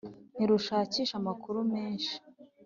ntirushakishe amakuru menhsi,